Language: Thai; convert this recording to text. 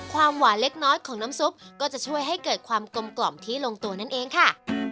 ความหวานเล็กน้อยของน้ำซุปก็จะช่วยให้เกิดความกลมกล่อมที่ลงตัวนั่นเองค่ะ